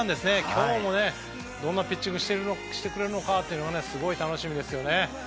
今日も、どんなピッチングしてくれるのかがすごい楽しみですね。